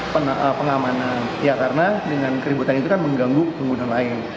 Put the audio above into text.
pengamanan ya karena dengan keributan itu kan mengganggu pengguna lain